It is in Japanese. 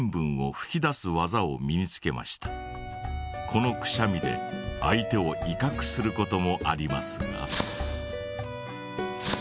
このくしゃみで相手をいかくすることもありますが。